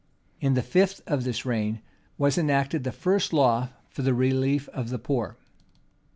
In the fifth of this reign was enacted the first law for the relief of the poor.